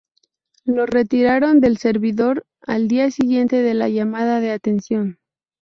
lo retiraron del servidor al día siguiente de la llamada de atención